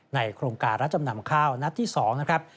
โครงการรับจำนำข้าวนัดที่๒นะครับ